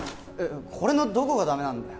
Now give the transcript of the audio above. これのどこがダメなんだよ